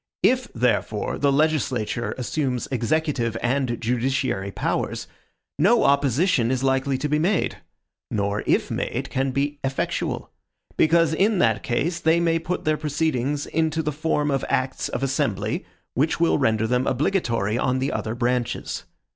If, therefore, the legislature assumes executive and judiciary powers, no opposition is likely to be made; nor, if made, can be effectual; because in that case they may put their proceedings into the form of acts of Assembly, which will render them obligatory on the other branches.